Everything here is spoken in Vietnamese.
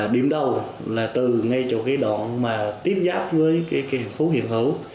điểm đầu là từ ngay chỗ cái đoạn mà tiếp giáp với cái khu hiện hữu